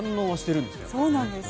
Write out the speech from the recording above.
そうなんです。